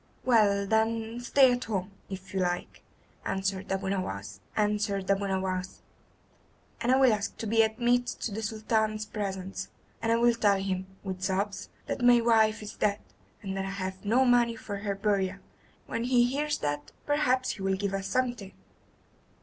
"Well, then, stay at home, if you like," answered Abu Nowas, "and I will ask to be admitted to the Sultan's presence, and will tell him, with sobs, that my wife is dead, and that I have no money for her burial. When he hears that perhaps he will give us something."